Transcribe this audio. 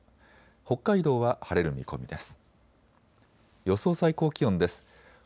北海道は晴れる見込みです。